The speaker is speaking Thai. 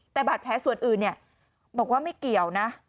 แต่บาดแผลส่วนอื่นบอกว่าไม่เกี่ยวนะ